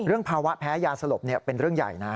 ภาวะแพ้ยาสลบเป็นเรื่องใหญ่นะ